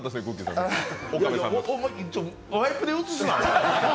ワイプで映すな。